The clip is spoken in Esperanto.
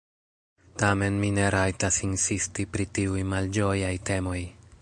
Tamen mi ne rajtas insisti pri tiuj malĝojaj temoj.